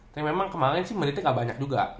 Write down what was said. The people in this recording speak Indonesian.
tapi memang kemarin sih menitnya gak banyak juga